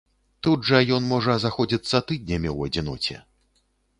Тут жа ён можа заходзіцца тыднямі ў адзіноце.